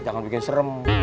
jangan bikin serem